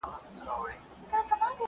پاڼې د وارث غوږ په پوره زور سره کش کړ.